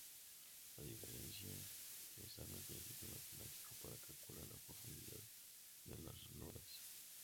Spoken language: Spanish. La diferencia está en el principio matemático para calcular la profundidad de las ranuras.